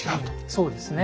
そうですね。